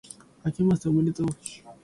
明けましておめでとう